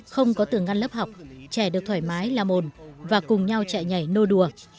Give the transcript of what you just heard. không có tường ngăn lớp học trẻ được thoải mái la mồn và cùng nhau chạy nhảy nô đùa